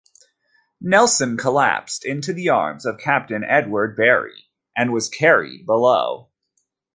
Nelson collapsed into the arms of Captain Edward Berry and was carried below.